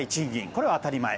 これは当たり前。